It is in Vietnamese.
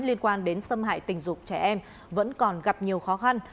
liên quan đến xâm hại tình dục trẻ em vẫn còn gặp nhiều khó khăn